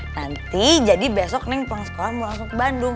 nanti jadi besok nih pulang sekolah mau langsung ke bandung